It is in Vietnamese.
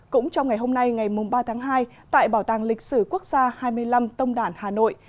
cũng trong ngày hôm nay ngày ba tháng hai tại bảo tàng lịch sử quốc gia hai mươi năm tông đản hà nội